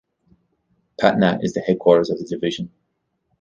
Patna is the headquarters of the division.